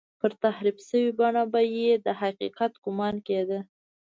پر تحریف شوې بڼه به یې د حقیقت ګومان کېده.